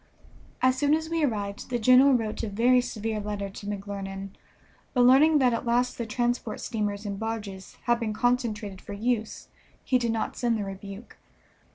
As soon as we arrived the general wrote a very severe letter to McClernand, but learning that at last the transport steamers and barges had been concentrated for use he did not send the rebuke.